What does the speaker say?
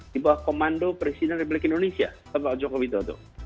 di bawah komando presiden republik indonesia bapak joko widodo